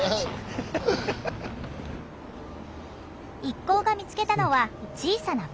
一行が見つけたのは小さなパン屋。